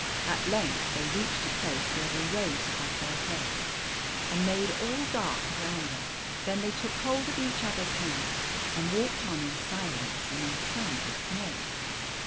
At length they reached a place where they rose above their heads, and made all dark around them. Then they took hold of each other's hand, and walked on in silence and in some dismay.